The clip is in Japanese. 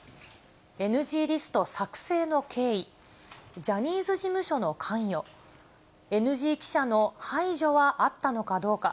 ＮＧリスト作成の経緯、ジャニーズ事務所の関与、ＮＧ記者の排除はあったのかどうか。